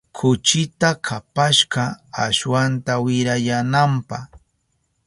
Kuchita kapashka ashwanta wirayananpa.